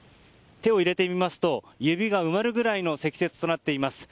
手を入れてみますと指が埋まるくらいの積雪となっています。